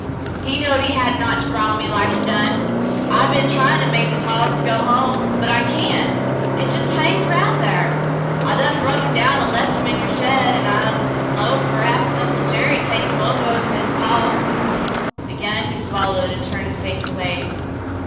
He knowed he hadn't ought to rile me like he done. I be'n tryin' to make his hoss go home, but I cyan't. Hit jes' hangs round thar. I done brung him down an' lef him in your shed, an' I 'lowed p'rhaps Uncle Jerry'd take him ovah to his paw." Again he swallowed and turned his face away.